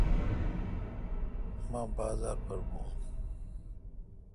مہ بازار پر بھون۔